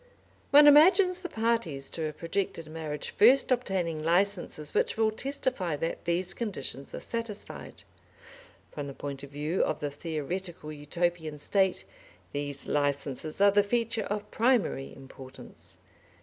One imagines the parties to a projected marriage first obtaining licenses which will testify that these conditions are satisfied. From the point of view of the theoretical Utopian State, these licenses are the feature of primary importance.